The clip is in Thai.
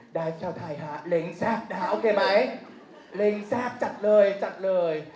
ได้เช่นไทยครับเร็งแซ่บจัดเลย